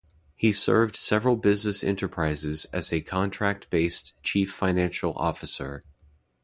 He served several business enterprises as a contract-based Chief Financial Officer.